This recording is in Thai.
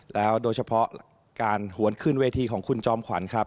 แล้วโดยเฉพาะการหวนขึ้นเวทีของคุณจอมขวัญครับ